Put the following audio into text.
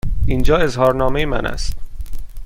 اینجا اظهارنامه من است.